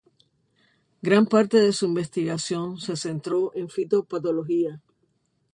Gran parte de su investigación se centró en fitopatología.